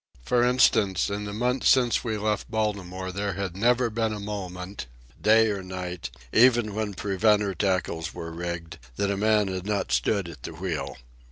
For instance, in the months since we left Baltimore there had never been a moment, day or night, even when preventer tackles were rigged, that a man had not stood at the wheel.